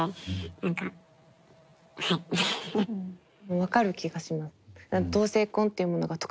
分かる気がします。